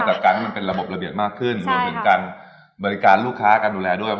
กับการที่มันเป็นระบบระเบียบมากขึ้นรวมถึงการบริการลูกค้าการดูแลด้วย